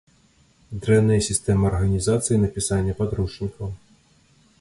Дрэнная сістэма арганізацыі напісання падручнікаў.